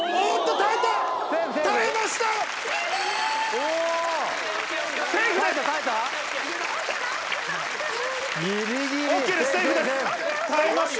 耐えました！